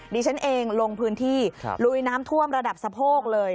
ดิฉันเองลงพื้นที่ลุยน้ำท่วมระดับสะโพกเลย